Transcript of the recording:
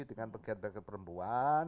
dengan pegawai pegawai perempuan